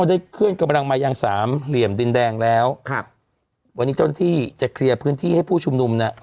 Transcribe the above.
ได้เคลื่อนกำลังมายังสามเหลี่ยมดินแดงแล้วครับวันนี้เจ้าหน้าที่จะเคลียร์พื้นที่ให้ผู้ชุมนุมเนี่ย